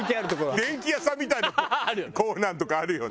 電器屋さんみたいなコーナーのとこあるよね。